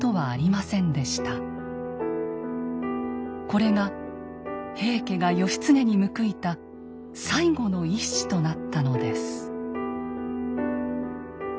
これが平家が義経に報いた最後の一矢となったのです。